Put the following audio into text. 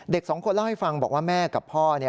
สองคนเล่าให้ฟังบอกว่าแม่กับพ่อ